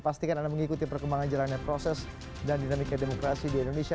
pastikan anda mengikuti perkembangan jalannya proses dan dinamika demokrasi di indonesia